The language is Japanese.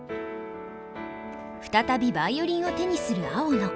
再びヴァイオリンを手にする青野。